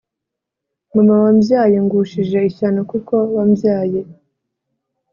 Mama wambyaye ngushije ishyano kuko wambyaye